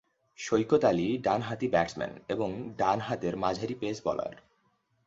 সৈকত আলী ডানহাতি ব্যাটসম্যান এবং ডান হাতের মাঝারি পেস বোলার।